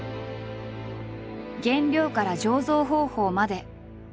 原料から醸造方法まで。